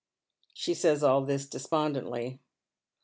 She says all this despondently.